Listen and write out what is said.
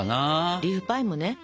リーフパイもね